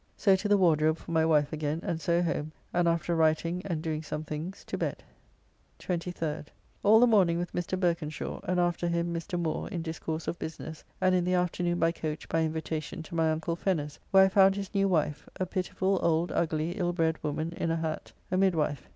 So to the Wardrobe for my wife again, and so home, and after writing and doing some things to bed. 23rd. All the morning with Mr. Berkenshaw, and after him Mr. Moore in discourse of business, and in the afternoon by coach by invitacon to my uncle Fenner's, where I found his new wife, a pitiful, old, ugly, illbred woman in a hatt, a midwife.